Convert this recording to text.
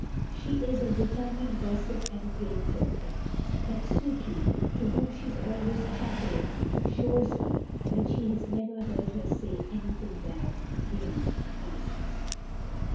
She is a determined gossip and a great talker; but Sukey, to whom she is always chattering, assures me that she has never heard her say anything bad beyond nonsense."